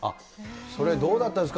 それ、どうだったですか？